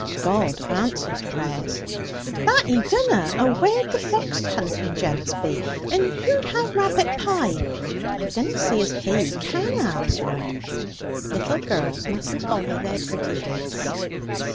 'God answers prayers.' 'That He dunna! Or where'd the fox hunting gents be, and who'd have rabbit pie? I dunna see as He can answer 'em.' 'Little girls mustn't bother their pretty heads.'